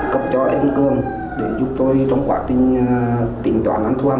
cập cho em cường để giúp tôi trong quá trình tính toán hàng tuần